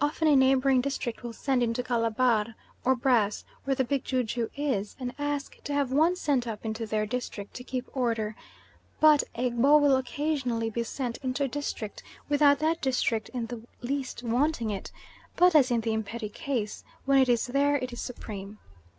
Often a neighbouring district will send into Calabar, or Brass, where the big ju ju is, and ask to have one sent up into their district to keep order, but Egbo will occasionally be sent into a district without that district in the least wanting it; but, as in the Imperi case, when it is there it is supreme.